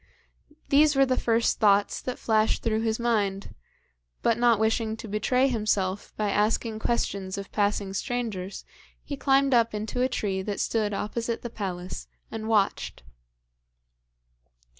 These were the first thoughts that flashed through his mind; but not wishing to betray himself by asking questions of passing strangers, he climbed up into a tree that stood opposite the palace and watched.